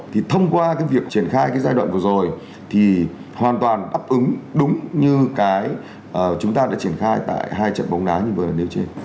thì thông qua cái việc triển khai cái giai đoạn vừa rồi thì hoàn toàn đáp ứng đúng như cái chúng ta đã triển khai tại hai trận bóng đá như vừa nêu trên